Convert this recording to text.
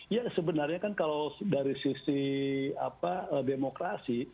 ya sebenarnya kan kalau dari sisi demokrasi